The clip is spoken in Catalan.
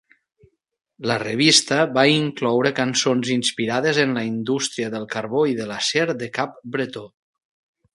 La revista va incloure cançons inspirades en la indústria del carbó i de l'acer de Cap Bretó.